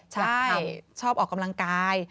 ใช่ชอบออกกำลังกาย